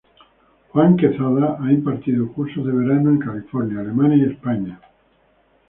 Juan Quezada ha impartido cursos de verano en California, Alemania y España.